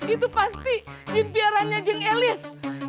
itu pasti jin piaranya jeng elis